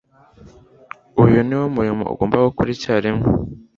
uyu niwo murimo ugomba gukora icyarimwe